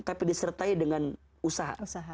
tapi disertai dengan usaha